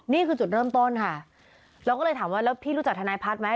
นี่คือจุดเริ่มต้นค่ะเราก็เลยถามว่าแล้วพี่รู้จักทนายพัฒน์ไหม